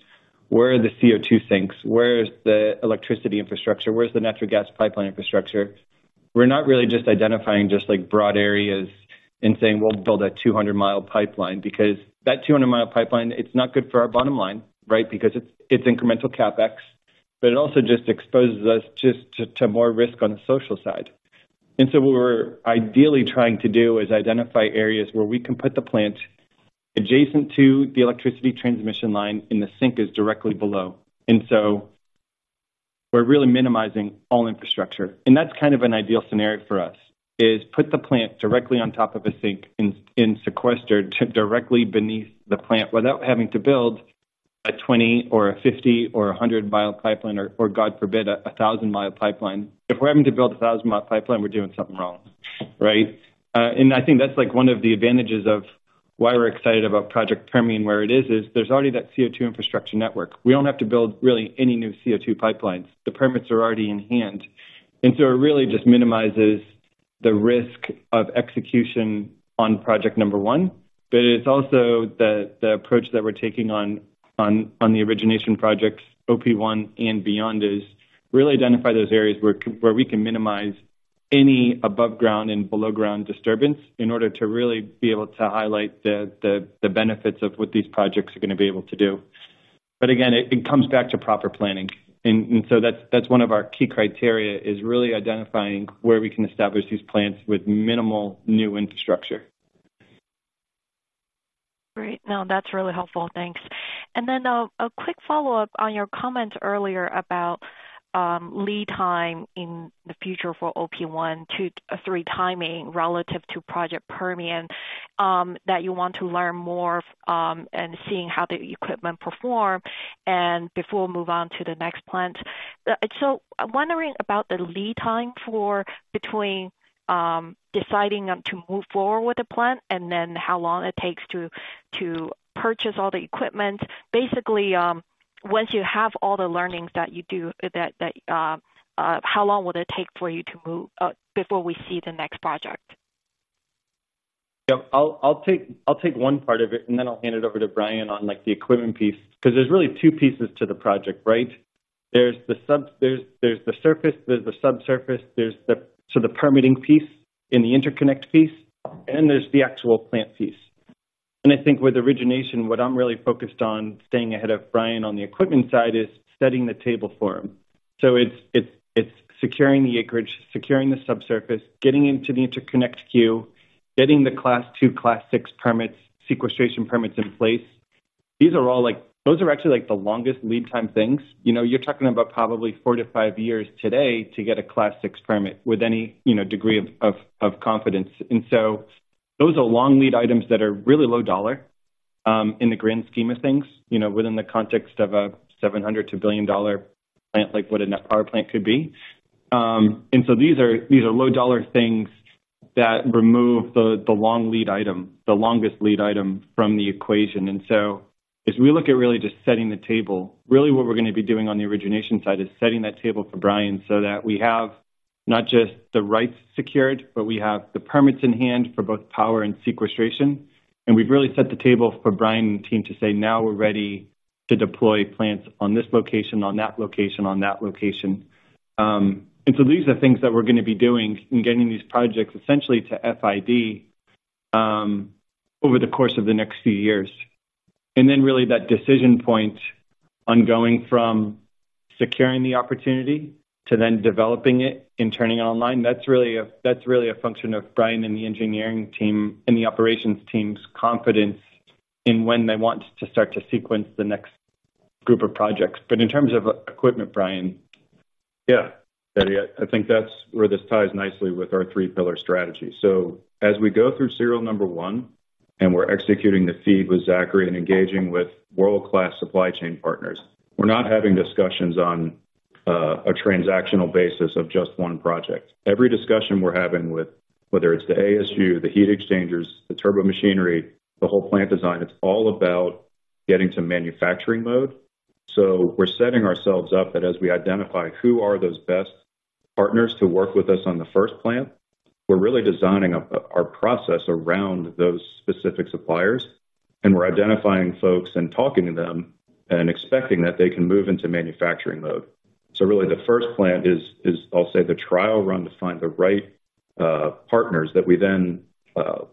where are the CO2 sinks, where is the electricity infrastructure, where's the natural gas pipeline infrastructure? We're not really just identifying, like, broad areas and saying, we'll build a 200 mi pipeline because that 200 mi pipeline, it's not good for our bottom line, right? Because it's incremental CapEx, but it also just exposes us to more risk on the social side. So what we're ideally trying to do is identify areas where we can put the plant adjacent to the electricity transmission line, and the sink is directly below. So we're really minimizing all infrastructure. That's kind of an ideal scenario for us: put the plant directly on top of a sink and sequester directly beneath the plant without having to build a 20- or 50- or 100 mi pipeline, or God forbid, a 1,000 mi pipeline. If we're having to build a 1,000 mi pipeline, we're doing something wrong, right? And I think that's, like, one of the advantages of why we're excited about Project Permian, where it is, is there's already that CO2 infrastructure network. We don't have to build really any new CO2 pipelines. The permits are already in hand, and so it really just minimizes the risk of execution on project number one. But it's also the approach that we're taking on the origination projects, OP1 and beyond, is really identify those areas where we can minimize any above ground and below ground disturbance in order to really be able to highlight the benefits of what these projects are going to be able to do. But again, it comes back to proper planning. And so that's one of our key criteria, is really identifying where we can establish these plants with minimal new infrastructure. Great. No, that's really helpful. Thanks. And then, a quick follow-up on your comments earlier about, lead time in the future for OP1, 2, 3 timing relative to Project Permian, that you want to learn more, and seeing how the equipment perform and before move on to the next plant. So I'm wondering about the lead time for between, deciding, to move forward with the plant and then how long it takes to purchase all the equipment. Basically, once you have all the learnings that you do, that, that, how long will it take for you to move, before we see the next project? Yep. I'll take one part of it, and then I'll hand it over to Brian on, like, the equipment piece, because there's really two pieces to the project, right? There's the surface, there's the subsurface, so the permitting piece and the interconnect piece, and there's the actual plant piece. And I think with origination, what I'm really focused on, staying ahead of Brian on the equipment side, is setting the table for him. So it's securing the acreage, securing the subsurface, getting into the interconnect queue, getting the Class II, Class VI permits, sequestration permits in place. These are all like those are actually, like, the longest lead time things. You know, you're talking about probably four to five years today to get a Class VI permit with any, you know, degree of confidence. Those are long lead items that are really low dollar in the grand scheme of things, you know, within the context of a $700 to billion dollar plant, like what a Net Power plant could be. These are low dollar things that remove the long lead item, the longest lead item from the equation. As we look at really just setting the table, really what we're going to be doing on the origination side is setting that table for Brian so that we have not just the rights secured, but we have the permits in hand for both power and sequestration. We've really set the table for Brian and the team to say, "Now we're ready to deploy plants on this location, on that location, on that location." So these are things that we're going to be doing in getting these projects essentially to FID over the course of the next few years. And then really, that decision point on going from securing the opportunity to then developing it and turning it online, that's really a function of Brian and the engineering team and the operations team's confidence in when they want to start to sequence the next group of projects. But in terms of equipment, Brian? Yeah, Danny, I think that's where this ties nicely with our three pillar strategy. So as we go through serial number one, and we're executing the FEED with Zachry and engaging with world-class supply chain partners, we're not having discussions on a transactional basis of just one project. Every discussion we're having with whether it's the ASU, the heat exchangers, the turbomachinery, the whole plant design, it's all about getting to manufacturing mode. So we're setting ourselves up that as we identify who are those best partners to work with us on the first plant, we're really designing our, our process around those specific suppliers, and we're identifying folks and talking to them and expecting that they can move into manufacturing mode. So really, the first plant is, I'll say, the trial run to find the right partners that we then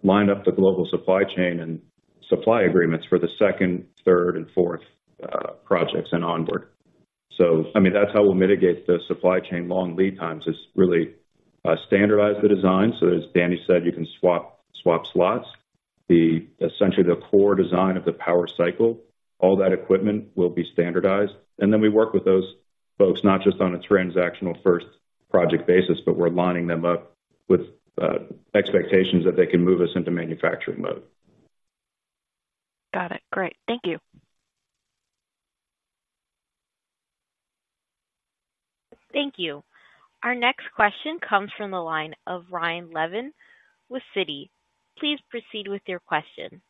line up the global supply chain and supply agreements for the second, third, and fourth projects and onward. So, I mean, that's how we'll mitigate the supply chain long lead times, is really standardize the design. So as Danny said, you can swap slots. Essentially the core design of the power cycle, all that equipment will be standardized. And then we work with those folks, not just on a transactional first project basis, but we're lining them up with expectations that they can move us into manufacturing mode. Got it. Great. Thank you. Thank you. Our next question comes from the line of Ryan Levine with Citi. Please proceed with your question.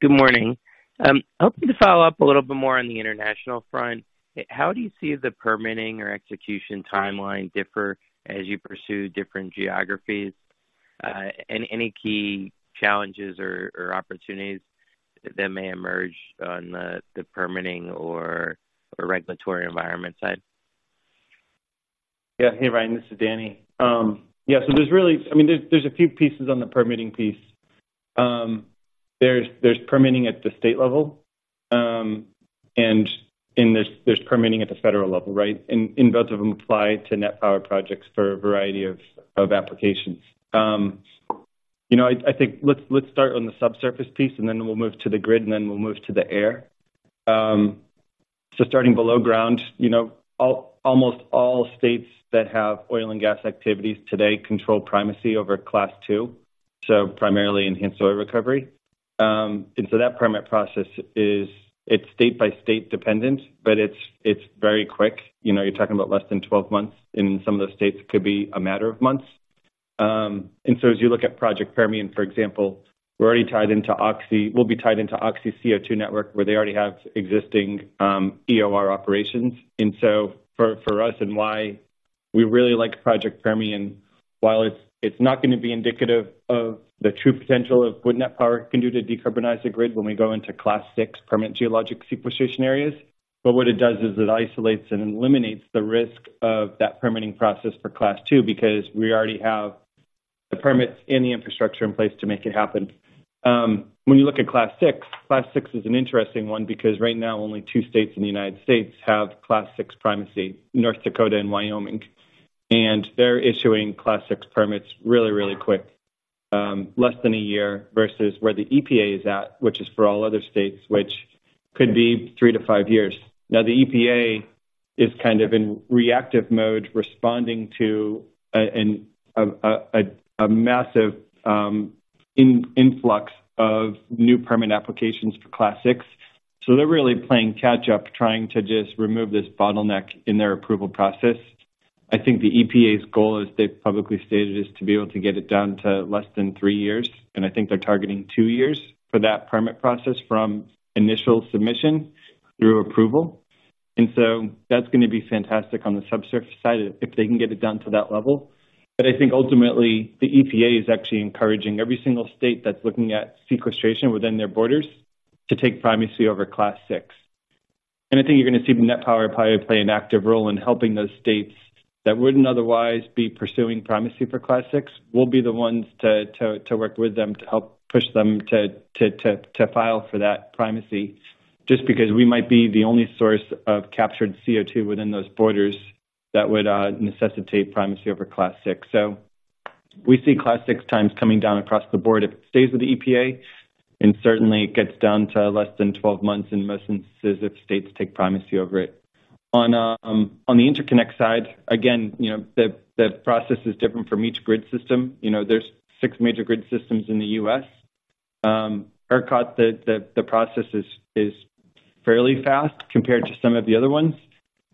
Good morning. I hope to follow up a little bit more on the international front. How do you see the permitting or execution timeline differ as you pursue different geographies? And any key challenges or opportunities that may emerge on the permitting or regulatory environment side? Yeah. Hey, Ryan, this is Danny. Yeah, so there's really—I mean, there's a few pieces on the permitting piece. There's permitting at the state level, and there's permitting at the federal level, right? And both of them apply to Net Power projects for a variety of applications. You know, I think let's start on the subsurface piece, and then we'll move to the grid, and then we'll move to the air. So starting below ground, you know, almost all states that have oil and gas activities today control primacy over Class II, so primarily enhanced oil recovery. And so that permit process is state by state dependent, but it's very quick. You know, you're talking about less than 12 months, and in some of those states, it could be a matter of months. And so as you look at Project Permian, for example, we're already tied into Oxy. We'll be tied into Oxy's CO2 network, where they already have existing EOR operations. And so for us and why we really like Project Permian, while it's not gonna be indicative of the true potential of what Net Power can do to decarbonize the grid when we go into Class VI permit geologic sequestration areas. But what it does is it isolates and eliminates the risk of that permitting process for Class II, because we already have the permits and the infrastructure in place to make it happen. When you look at Class VI, Class VI is an interesting one because right now, only two states in the United States have Class VI primacy, North Dakota and Wyoming, and they're issuing Class VI permits really, really quick, less than a year, versus where the EPA is at, which is for all other states, which could be three to five years. Now, the EPA is kind of in reactive mode, responding to a massive influx of new permit applications for Class VI. So they're really playing catch up, trying to just remove this bottleneck in their approval process. I think the EPA's goal, as they've publicly stated, is to be able to get it down to less than three years, and I think they're targeting two years for that permit process from initial submission through approval. So that's gonna be fantastic on the subsurface side if they can get it down to that level. But I think ultimately, the EPA is actually encouraging every single state that's looking at sequestration within their borders to take primacy over Class VI. And I think you're gonna see Net Power probably play an active role in helping those states that wouldn't otherwise be pursuing primacy for Class VI. We'll be the ones to work with them, to help push them to file for that primacy, just because we might be the only source of captured CO2 within those borders that would necessitate primacy over Class VI. So we see Class VI times coming down across the board if it stays with the EPA, and certainly it gets down to less than 12 months in most instances, if states take primacy over it. On the interconnect side, again, you know, the process is different from each grid system. You know, there's six major grid systems in the U.S. ERCOT, the process is fairly fast compared to some of the other ones.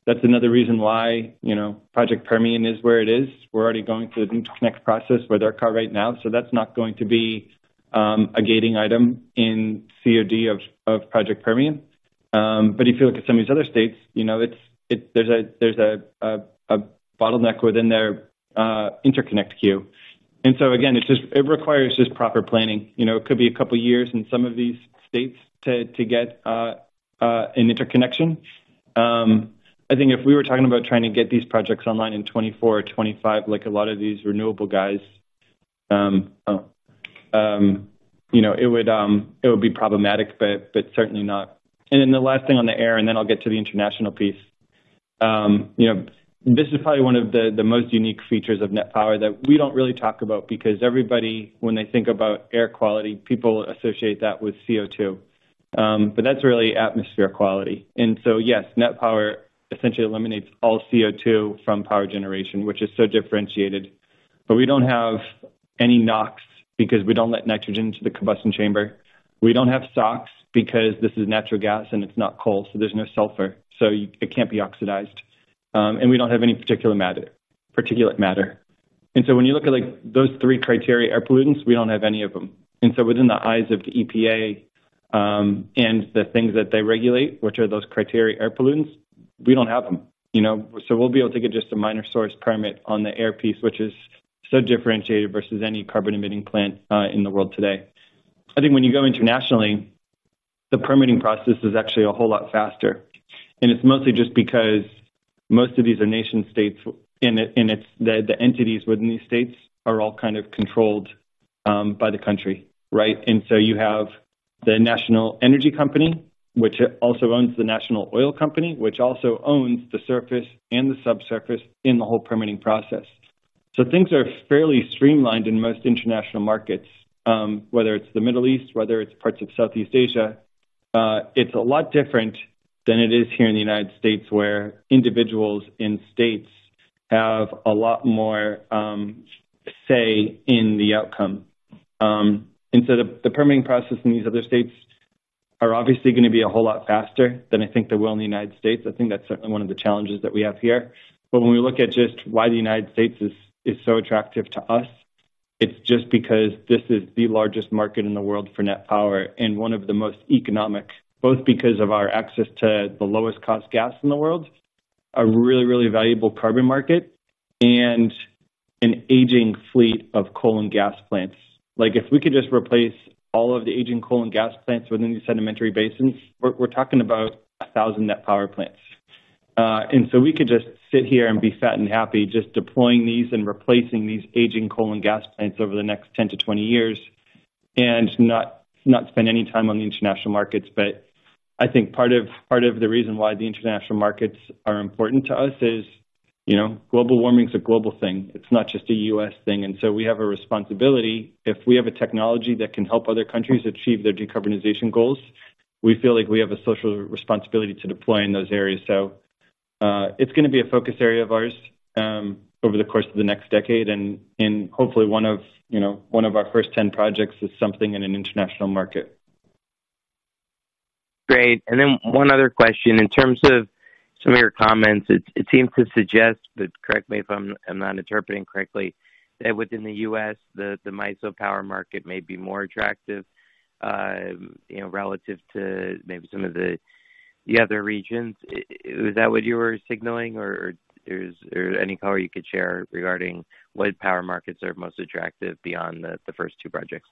That's another reason why, you know, Project Permian is where it is. We're already going through the interconnect process with ERCOT right now, so that's not going to be a gating item in COD of Project Permian. But if you look at some of these other states, you know, it's. There's a bottleneck within their interconnect queue. And so again, it's just, it requires just proper planning. You know, it could be a couple of years in some of these states to get an interconnection. I think if we were talking about trying to get these projects online in 2024 or 2025, like a lot of these renewable guys, you know, it would be problematic but, but certainly not and then the last thing on the air, and then I'll get to the international piece. You know, this is probably one of the most unique features of Net Power that we don't really talk about because everybody, when they think about air quality, people associate that with CO2. But that's really atmosphere quality. And so, yes, Net Power essentially eliminates all CO2 from power generation, which is so differentiated. But we don't have any NOx because we don't let nitrogen into the combustion chamber. We don't have SOx because this is natural gas and it's not coal, so there's no sulfur, so it can't be oxidized. And we don't have any particular matter, particulate matter. And so when you look at, like, those three criteria, air pollutants, we don't have any of them. And so within the eyes of the EPA, and the things that they regulate, which are those criteria, air pollutants, we don't have them, you know, so we'll be able to get just a minor source permit on the air piece, which is so differentiated versus any carbon-emitting plant, in the world today. I think when you go internationally, the permitting process is actually a whole lot faster, and it's mostly just because most of these are nation-states, and it's the entities within these states are all kind of controlled, by the country, right? You have the National Energy Company, which also owns the National Oil Company, which also owns the surface and the subsurface in the whole permitting process. Things are fairly streamlined in most international markets, whether it's the Middle East, whether it's parts of Southeast Asia. It's a lot different than it is here in the United States, where individuals in states have a lot more say in the outcome. The permitting process in these other states are obviously going to be a whole lot faster than I think they will in the United States. I think that's certainly one of the challenges that we have here. But when we look at just why the United States is so attractive to us, it's just because this is the largest market in the world for Net Power and one of the most economic, both because of our access to the lowest cost gas in the world, a really, really valuable carbon market, and an aging fleet of coal and gas plants. Like, if we could just replace all of the aging coal and gas plants within the sedimentary basins, we're talking about 1,000 Net Power plants. And so we could just sit here and be fat and happy just deploying these and replacing these aging coal and gas plants over the next 10-20 years and not spend any time on the international markets. But I think part of, part of the reason why the international markets are important to us is, you know, global warming is a global thing. It's not just a U.S. thing. And so we have a responsibility. If we have a technology that can help other countries achieve their decarbonization goals, we feel like we have a social responsibility to deploy in those areas. So, it's gonna be a focus area of ours, over the course of the next decade. And hopefully one of, you know, one of our first 10 projects is something in an international market. Great. Then one other question. In terms of some of your comments, it seems to suggest, but correct me if I'm not interpreting correctly, that within the U.S., the MISO power market may be more attractive, you know, relative to maybe some of the other regions. Is that what you were signaling? Or is there any color you could share regarding what power markets are most attractive beyond the first two projects?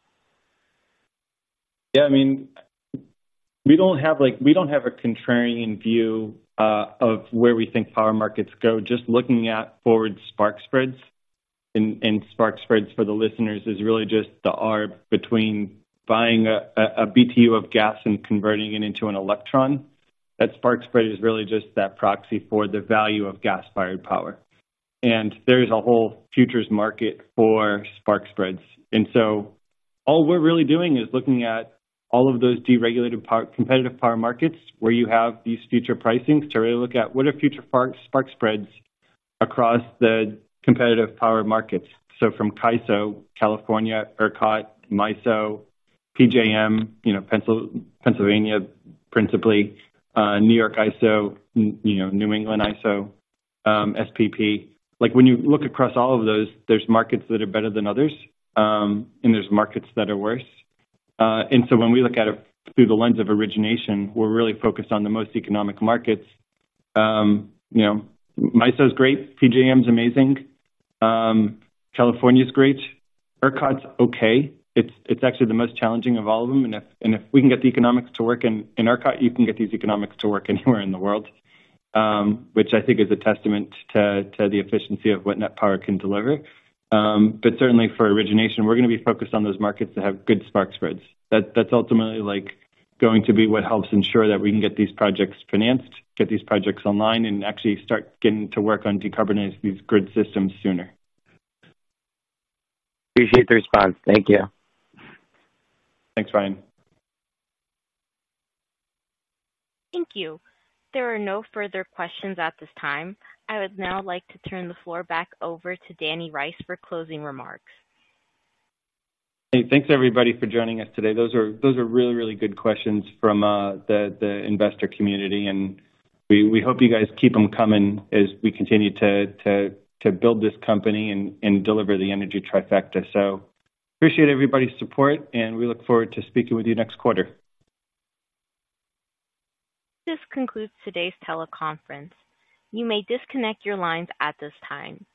Yeah, I mean, we don't have like, we don't have a contrarian view of where we think power markets go, just looking at forward spark spreads. And spark spreads for the listeners is really just the arb between buying a BTU of gas and converting it into an electron. That spark spread is really just that proxy for the value of gas-fired power. And there's a whole futures market for spark spreads. And so all we're really doing is looking at all of those deregulated power, competitive power markets, where you have these future pricings, to really look at what are future spark spreads across the competitive power markets. So from CAISO, California, ERCOT, MISO, PJM, you know, Pennsylvania, principally, New York ISO, you know, New England ISO, SPP. Like, when you look across all of those, there's markets that are better than others, and there's markets that are worse. So when we look at it through the lens of origination, we're really focused on the most economic markets. You know, MISO is great, PJM is amazing, California's great, ERCOT's okay. It's actually the most challenging of all of them. And if we can get the economics to work in ERCOT, you can get these economics to work anywhere in the world, which I think is a testament to the efficiency of what Net Power can deliver. But certainly for origination, we're going to be focused on those markets that have good spark spreads. That's ultimately, like, going to be what helps ensure that we can get these projects financed, get these projects online, and actually start getting to work on decarbonizing these grid systems sooner. Appreciate the response. Thank you. Thanks, Ryan. Thank you. There are no further questions at this time. I would now like to turn the floor back over to Danny Rice for closing remarks. Hey, thanks, everybody, for joining us today. Those are really good questions from the investor community, and we hope you guys keep them coming as we continue to build this company and deliver the Energy Trifecta. So appreciate everybody's support, and we look forward to speaking with you next quarter. This concludes today's teleconference. You may disconnect your lines at this time.